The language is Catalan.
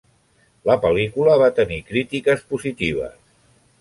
La pel·lícula va tenir crítiques positives.